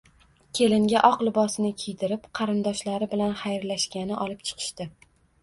Kelinga oq libosini kiydirib qarindoshlari bilan xayrlashgani olib chiqishdi.